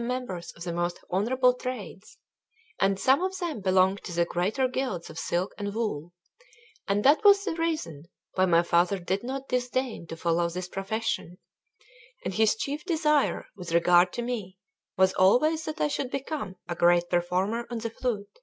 In those days the musicians of the Signory were all of them members of the most honourable trades, and some of them belonged to the greater guilds of silk and wool; and that was the reason why my father did not disdain to follow this profession, and his chief desire with regard to me was always that I should become a great performer on the flute.